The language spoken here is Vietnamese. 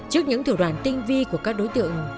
trước những thủ đoạn tinh vi của các đối tượng